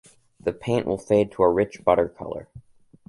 The paint will fade to a rich butter color